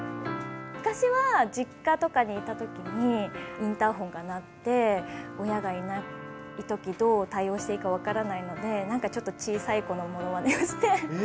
昔は、実家とかにいたときに、インターホンが鳴って、親がいないとき、どう対応してか分からないので、なんかちょっと小さい子のものまねをして。